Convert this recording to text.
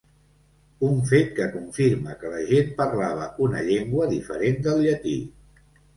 Un fet que confirma que la gent parlava una llengua diferent del llatí.